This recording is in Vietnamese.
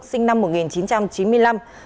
sinh năm một nghìn chín trăm chín mươi năm